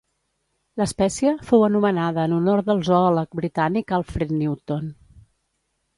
L'espècie fou anomenada en honor del zoòleg britànic Alfred Newton.